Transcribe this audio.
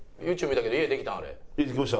家できました。